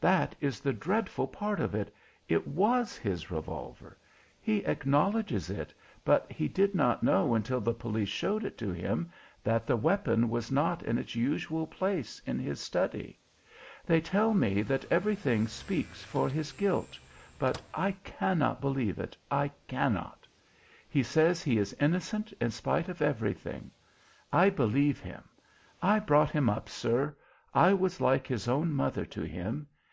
That is the dreadful part of it it was his revolver. He acknowledges it, but he did not know, until the police showed it to him, that the weapon was not in its usual place in his study. They tell me that everything speaks for his guilt, but I cannot believe it I cannot. He says he is innocent in spite of everything. I believe him. I brought him up, sir; I was like his own mother to him.